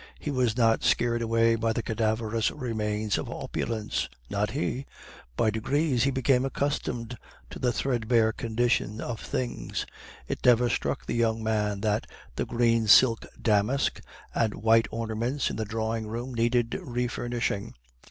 He was not scared away by the cadaverous remains of opulence; not he! by degrees he became accustomed to the threadbare condition of things. It never struck the young man that the green silk damask and white ornaments in the drawing room needed refurnishing.